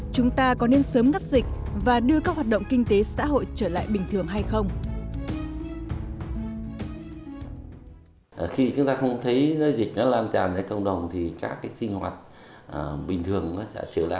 chúng ta có nên sớm ngắt dịch và đưa các hoạt động kinh tế xã hội trở lại bình thường hay không